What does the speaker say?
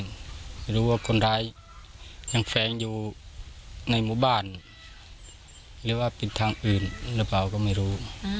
ไม่รู้ว่าคนร้ายยังแฟงอยู่ในหมู่บ้านหรือว่าเป็นทางอื่นหรือเปล่าก็ไม่รู้